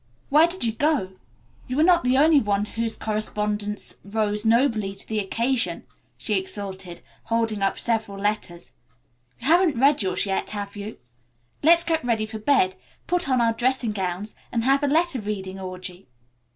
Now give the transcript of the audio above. "Where did you go? You are not the only one whose correspondents rose nobly to the occasion," she exulted, holding up several letters. "You haven't read yours yet, have you. Let's get ready for bed, put on our dressing gowns, and have a letter reading orgy."